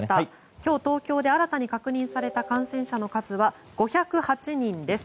今日、東京で新たに確認された感染者の数は５０８人です。